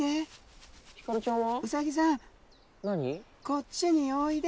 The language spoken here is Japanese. こっちにおいで！